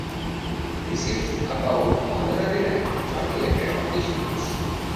This is about honorary rank, not elected officials.